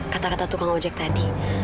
kata kata tukang ojek tadi